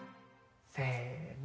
せの。